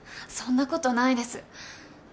そんなことないです